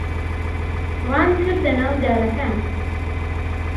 ڕامکردە ناو دارەکان.